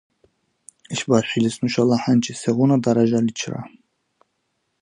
ИшбархӀилис хӀушала хӀянчи сегъуна даражаличира?